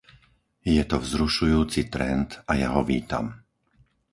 Je to vzrušujúci trend a ja ho vítam.